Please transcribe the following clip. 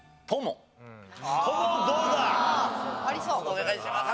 お願いします。